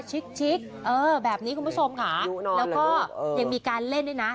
ชิคเออแบบนี้คุณผู้ชมค่ะแล้วก็ยังมีการเล่นด้วยนะ